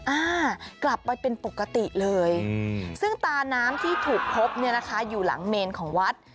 อ่ากลับไปเป็นปกติเลยซึ่งตาน้ำที่ถูกพบเนี่ยนะคะอยู่หลังเมนของวัด